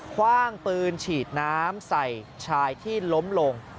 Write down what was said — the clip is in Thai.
ว่างปืนฉีดน้ำใส่ชายที่ล้มลง